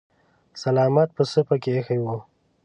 سلامت پسه پکې ايښی و.